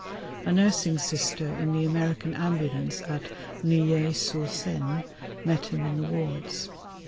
A Nursing Sister in the American Ambulance at Neuilly sur Seine met him in the wards.